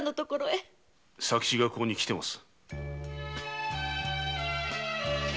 佐吉がここに来ています。